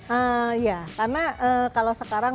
hmm ya karena kalau sekarang sekarang